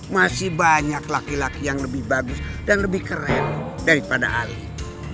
masih banyak laki laki yang lebih bagus dan lebih keren daripada ali